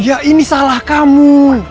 ya ini salah kamu